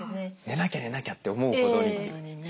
寝なきゃ寝なきゃって思うほどに。